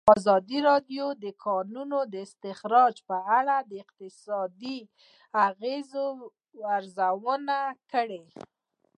ازادي راډیو د د کانونو استخراج په اړه د اقتصادي اغېزو ارزونه کړې.